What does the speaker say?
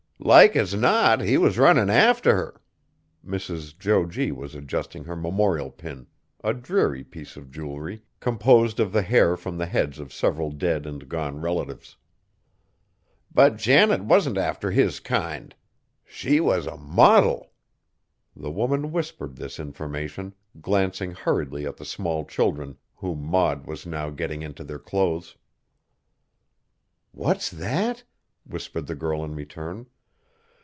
"Like as not he was runnin' after her!" Mrs. Jo G. was adjusting her memorial pin, a dreary piece of jewelry, composed of the hair from the heads of several dead and gone relatives; "but Janet wasn't after his kind. She was a modil!" The woman whispered this information, glancing hurriedly at the small children whom Maud was now getting into their clothes. "What's that?" whispered the girl in return.